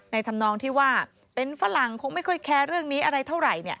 ทำนองที่ว่าเป็นฝรั่งคงไม่ค่อยแคร์เรื่องนี้อะไรเท่าไหร่